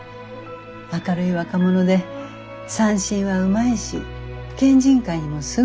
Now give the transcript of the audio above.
明るい若者で三線はうまいし県人会にもすぐになじんだ。